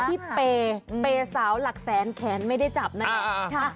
พี่เปย์เปย์สาวหลักแสนแขนไม่ได้จับนะคะ